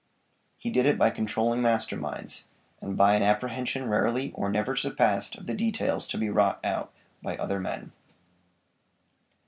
He did it by controlling master minds, and by an apprehension rarely or never surpassed of the details to be wrought out by other men.